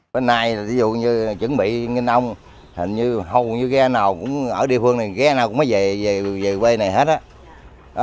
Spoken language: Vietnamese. bên này ví dụ như chuẩn bị nginh âu hình như hầu như ghe nào ở địa phương này ghe nào cũng mới về quê này hết đó